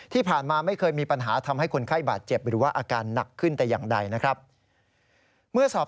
ที่ผ่านมาไม่เคยมีปัญหาทำให้คนไข้บาดเจ็บ